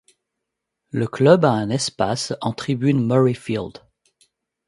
Le club a un espace en tribune Murrayfield.